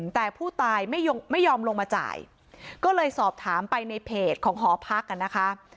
แต่ผู้ตายไม่ยอมลงมาจ่ายก็เลยสอบถามไปในเพจของหอพักกันนะคะ